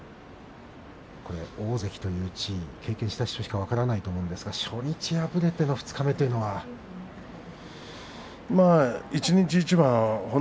大関という地位を経験した人しか分からないと思うんですが初日敗れての二日目というのはどうですか。